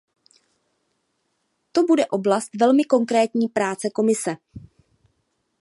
To bude oblast velmi konkrétní práce Komise.